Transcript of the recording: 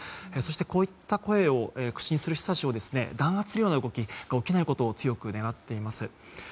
こういった声を口にする人たちを弾圧するような動きが起きないことを強く願っています。